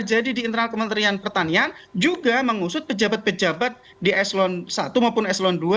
di internal kementerian pertanian juga mengusut pejabat pejabat di eselon satu maupun eselon dua